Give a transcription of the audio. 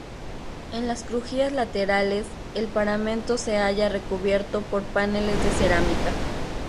En las crujías laterales el paramento se halla recubierto por paneles de cerámica.